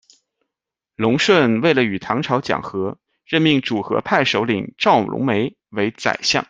隆舜为了与唐朝讲和，任命主和派首领赵隆眉为宰相。